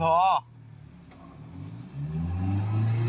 พี่น้องระวังนะ